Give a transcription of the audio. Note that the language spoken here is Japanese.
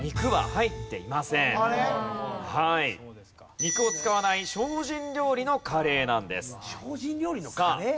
肉を使わない精進料理のカレーなんです。